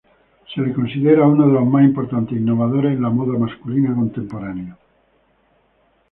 Se le considera uno de los más importantes innovadores en la moda masculina contemporánea.